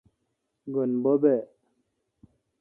گین بب اؘ۔